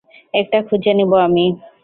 একটা খুঁজে নিব আমি।